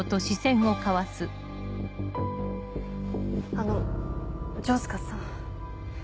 あの城塚さん。